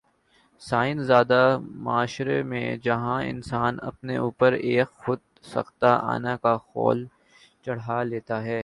science زدہ معاشروں میں جہاں انسان اپنے اوپر ایک خود ساختہ انا کا خول چڑھا لیتے ہیں